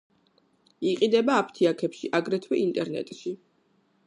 იყიდება აფთიაქებში, აგრეთვე ინტერნეტში.